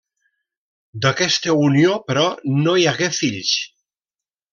D'aquesta unió però no hi hagué fills.